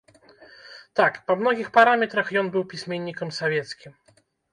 Так, па многіх параметрах ён быў пісьменнікам савецкім.